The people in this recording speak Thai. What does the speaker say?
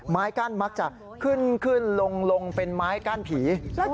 ไม้กั้นมักจะขึ้นขึ้นลงเป็นไม้กั้นผี